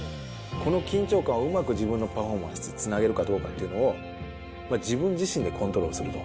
この緊張感をうまく自分のパフォーマンスにつなげるかどうかというのを、自分自身でコントロールすると。